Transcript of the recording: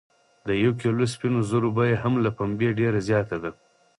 د یو کیلو سپینو زرو بیه هم له پنبې ډیره زیاته ده.